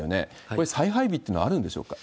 これ、再配備っていうのはあるんでしょうか？